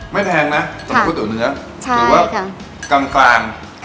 ไม่แพงนะค่ะสำหรับข้าวติ๋วเนื้อใช่ค่ะหรือว่ากำฟางค่ะ